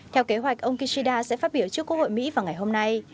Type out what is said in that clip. theo kế hoạch ông kishida sẽ phát biểu trước quốc hội mỹ vào ngày hôm nay